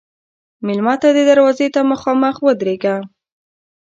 مېلمه ته دروازې ته مخامخ ودریږه.